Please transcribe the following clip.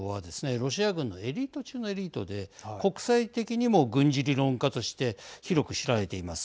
ロシア軍のエリート中のエリートで国際的にも軍事理論家として広く知られています。